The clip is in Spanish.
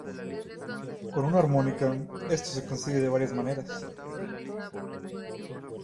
Con una armónica esto se consigue de varias maneras.